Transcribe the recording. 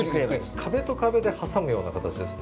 壁と壁で挟むような形です。